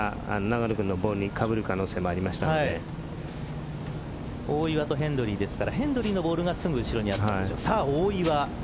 後ろに打った人の砂が永野君のボールに大岩とヘンドリーですからヘンドリーのボールがすぐ後ろにあったんでしょう。